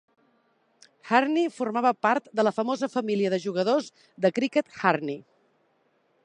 Hearne formava part de la famosa família de jugadors de criquet Hearne.